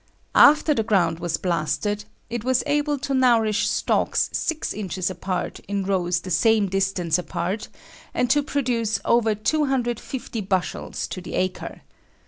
After the ground was blasted, it was able to nourish stalks 6 inches apart in rows the same distance apart, and to produce over 250 bushels to the acre.